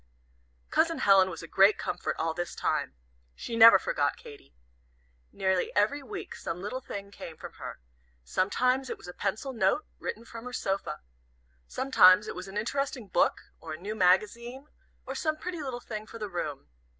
Cousin Helen was a great comfort all this time. She never forgot Katy. Nearly every week some little thing came from her. Sometimes it was a pencil note, written from her sofa. Sometimes it was an interesting book, or a new magazine, or some pretty little thing for the room.